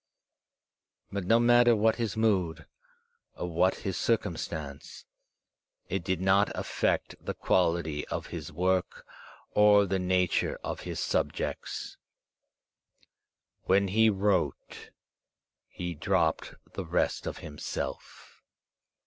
But no matter what his mood or what his circumstance, it did not affect the quality of his work or the nature of his subjects. When he wrote he dropped the rest of himself.